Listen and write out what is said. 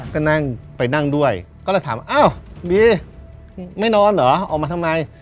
ก็นั่งไปนั่งด้วยก็เลยถามอ้าวบีไม่นอนเหรอออกมาทำไม